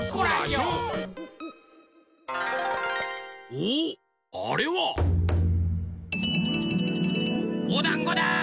おおっあれは！おだんごだ！